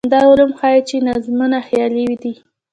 دا علوم ښيي چې نظمونه خیالي دي.